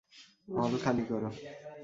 হল খালি কর।